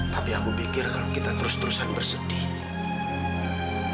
tapi aku pikir kalau kita terus terusan bersedih